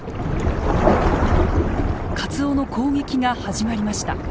カツオの攻撃が始まりました。